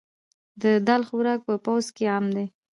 د دال خوراک په پوځ کې عام دی.